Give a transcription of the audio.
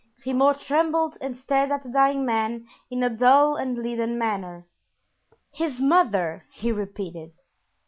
Grimaud trembled and stared at the dying man in a dull and leaden manner. "His mother!" he repeated.